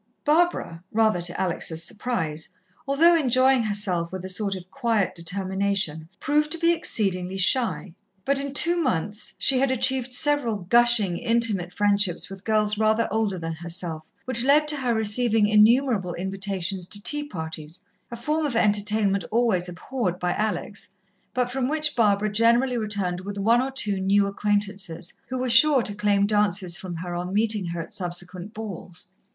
Barbara, rather to Alex' surprise, although enjoying herself with a sort of quiet determination, proved to be exceedingly shy, but in two months she had achieved several gushing, intimate friendships with girls rather older than herself, which led to her receiving innumerable invitations to tea parties, a form of entertainment always abhorred by Alex, but from which Barbara generally returned with one or two new acquaintances, who were sure to claim dances from her on meeting her at subsequent balls.